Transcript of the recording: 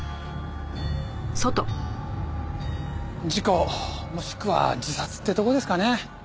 事故もしくは自殺ってとこですかね。